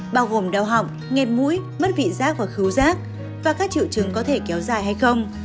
bao gồm đau họng nghẹt mũi mất vị rác và khứu rác và các triệu chứng có thể kéo dài hay không